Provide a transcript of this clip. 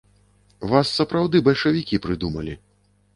Вас сапраўды бальшавікі прыдумалі!